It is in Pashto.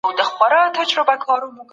خو دې زما د مرګ د اوازې